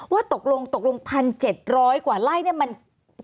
ว่าตกลงพันเศษร้อยกว่าไล่นี้แหละ